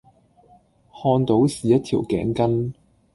看到是一條頸巾